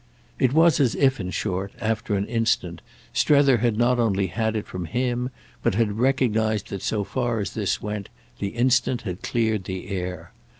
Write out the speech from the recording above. It was as if in short, after an instant, Strether had not only had it from him, but had recognised that so far as this went the instant had cleared the air.